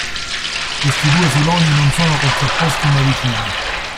Questi due filoni non sono contrapposti ma vicini.